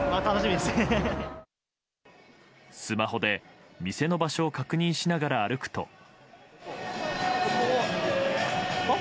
スマホで店の場所を確認しながら歩くと。